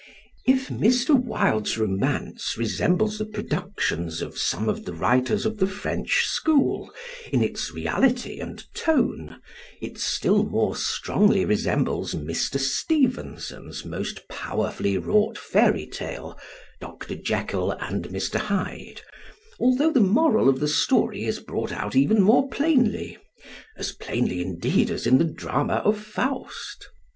If Mr. Wilde's romance resembles the productions of some of the writers of the French school in its reality and tone, it still more strongly resembles Mr. Stevenson's most powerfully wrought fairy tale, "Dr. Jekyll and Mr. Hyde," although the moral of the story is brought out even more plainly as plainly, indeed, as in the drama of "Faust."